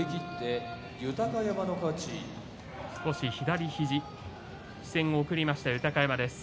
少し左肘視線を送りました、豊山です。